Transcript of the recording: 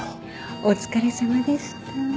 お疲れさまでした。